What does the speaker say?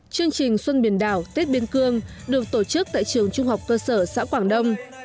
chương trình xuân biển đảo tết biên cương được tổ chức tại trường trung học cơ sở xã quảng đông